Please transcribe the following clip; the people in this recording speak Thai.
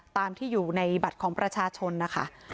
ตามที่อยู่ในบัตรของประชาชนนะคะ